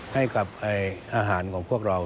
ให้กับอาหารของพวกเรา